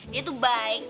dia tuh baik